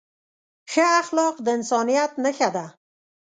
ښه اخلاق د انسانیت نښه ده.